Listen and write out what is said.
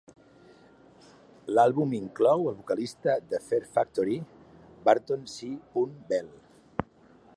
L'àlbum inclou el vocalista de Fear Factory, Burton C. Bell.